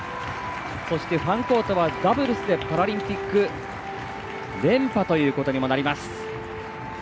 そして、ファンコートはダブルスでパラリンピック連覇ということにもなります。